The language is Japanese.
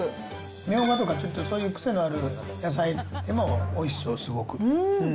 ミョウガとかちょっと癖のあるような野菜でもおいしそう、すごく。